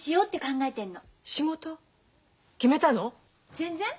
全然。